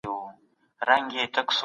زه یو نړیوال سوداګر یم.